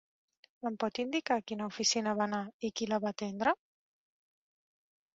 Em pot indicar a quina oficina va anar, i qui la va atendre?